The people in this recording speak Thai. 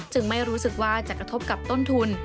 ไม่รู้สึกว่าจะกระทบกับต้นทุน